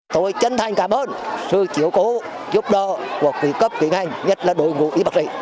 tôi chân thành cảm ơn sự chiếu cố giúp đỡ của quỹ cấp kỹ ngành nhất là đội ngũ y bác sĩ